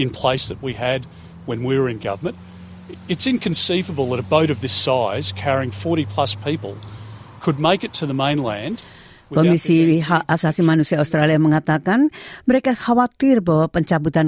komisi hak asasi manusia australia mengatakan mereka khawatir bahwa pencabutan